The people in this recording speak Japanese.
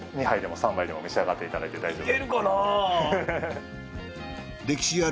２杯でも３杯でも召し上がっていただいて大丈夫です。